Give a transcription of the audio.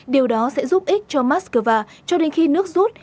điều đó sẽ giúp ích cho moscow cho đến khi nước rút